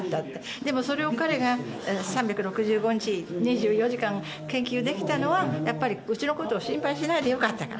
でも、それを彼が３６５日２４時間研究できたのはやっぱりうちのことを心配しないでよかったから。